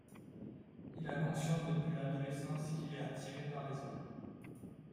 Il a conscience depuis l'adolescence qu'il est attiré par les hommes.